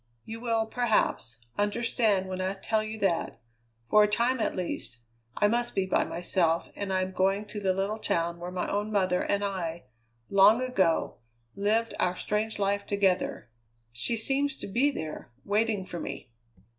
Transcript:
You will, perhaps, understand when I tell you that, for a time at least, I must be by myself, and I am going to the little town where my own mother and I, long ago, lived our strange life together. She seems to be there, waiting for me.